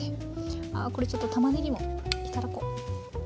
あこれちょっとたまねぎも頂こう。